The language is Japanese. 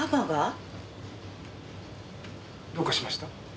どうかしました？